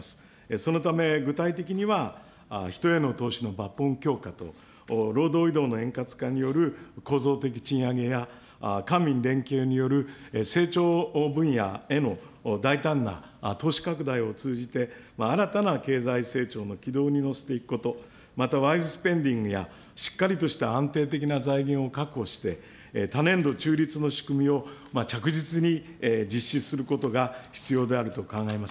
そのため、具体的には、人への投資の抜本強化と、労働移動の円滑化による構造的賃上げや、官民連携による成長分野への大胆な投資拡大を通じて、新たな経済成長の軌道に乗せていくこと、またワイズスペンディングや、しっかりとした安定的な財源を確保して、多年度中立の仕組みを着実に実施することが必要であると考えます。